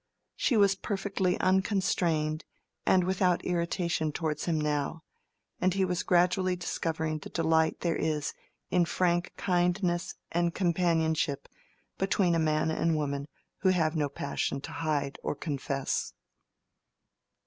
She was perfectly unconstrained and without irritation towards him now, and he was gradually discovering the delight there is in frank kindness and companionship between a man and a woman who have no passion to hide or confess.